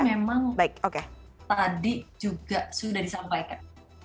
sekali lagi memang tadi juga sudah disampaikan